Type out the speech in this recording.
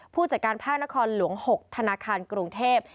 ผู้จัดการภาคนครหลวง๖ธนาคารกรุงเทพ